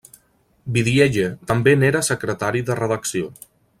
Vidiella també n'era secretari de redacció.